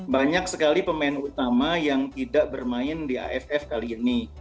banyak sekali pemain utama yang tidak bermain di aff kali ini